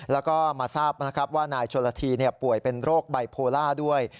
แล้วก็มาทราบว่านายชนฤษฎีป่วยเป็นโรคไบโพลาด้วย